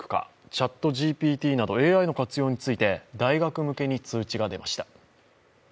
ＣｈａｔＧＰＴなどＡＩについて大学向けに通知が出ました。